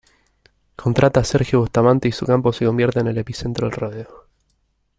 Contrata a Sergio Bustamante y su campo se convierte en "epicentro" del rodeo.